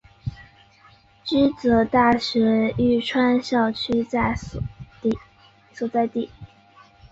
驹泽大学玉川校区所在地。